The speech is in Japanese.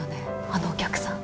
あのお客さん。